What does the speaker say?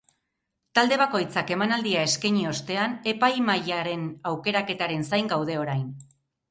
Talde bakoitzak emanaldia eskaini ostean, epaimahairen aukeraketaren zain gaude orain.